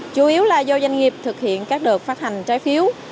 chủ yếu là do doanh nghiệp thực hiện các đợt phát hành trái phiếu